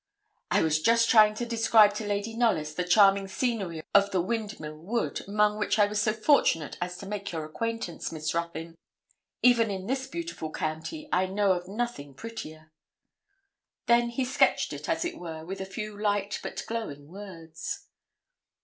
'I was just trying to describe to Lady Knollys the charming scenery of the Windmill Wood, among which I was so fortunate as to make your acquaintance, Miss Ruthyn. Even in this beautiful county I know of nothing prettier.' Then he sketched it, as it were, with a few light but glowing words.